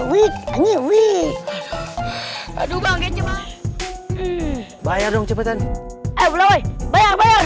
wuih wuih wuih aduh banggai cepat bayar dong cepetan eh belah woi bayar bayar